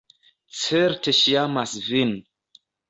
Certe ŝi amas vin!